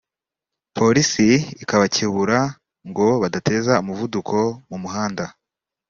Polisi ikabakebura ngo badateza umuvundo mu muhanda